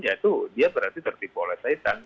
ya itu dia berarti tertipu oleh kaitan